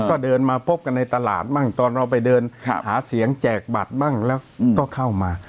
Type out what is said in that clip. ก็เดินมาพบกันในตลาดบ้างตอนเราไปเดินหาเสียงแจกบัตรบ้างแล้วก็เข้ามา